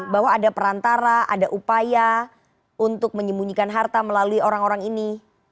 bahwa ada perantara ada upaya untuk menyembunyikan harta melalui orang orang ini